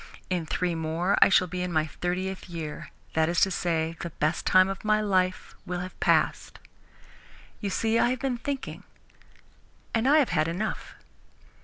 In three more I shall be in my thirtieth year that is to say, the best time of my life will have passed. You see, I have been thinking, and I have had enough."